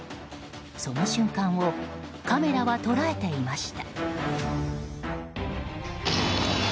その瞬間をカメラは捉えていました。